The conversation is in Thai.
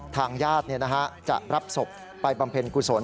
ทางญาติจะรับศพไปบำเพ็ญกุศล